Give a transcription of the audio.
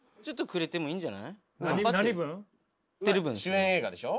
主演映画でしょ？